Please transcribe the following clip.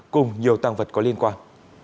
cùng nhiều tăng vật có liên quan